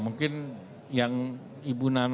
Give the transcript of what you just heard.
mungkin yang ibu nana